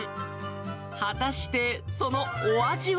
果たしてそのお味は？